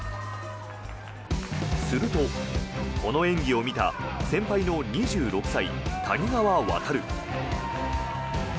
すると、この演技を見た先輩の２６歳、谷川航。